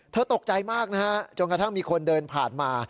ตกใจมากนะฮะจนกระทั่งมีคนเดินผ่านมา